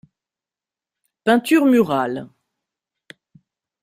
Peintures murales.